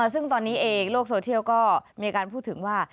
ซึ่งตอนนี้เองโลกโซเทียลก็มีการพูดถึงว่า